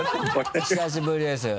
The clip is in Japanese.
お久しぶりです。